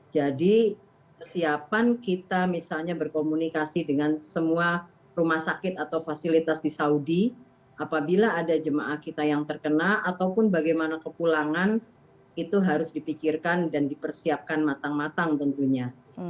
jadi siapaan kita misalnya berkomunikasi dengan semua rumah sakit atau fasilitas di saudi apabila ada jemaah kita yang terkena ataupun bagaimana kepulangan itu harus dipikirkan dan dipersiapkan matang matang tentunya